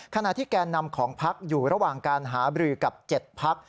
ขณะที่แกนนำของพักอยู่ระหว่างการหาบรือกับ๗พัก